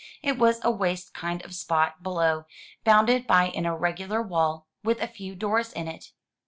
It was a waste kind of spot below, bounded by an irregular wall, with a few doors in it.